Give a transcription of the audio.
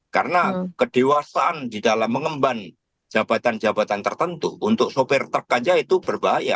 karena kedewasaan di dalam mengemban jabatan jabatan tertentu untuk sopir truk saja itu berbahaya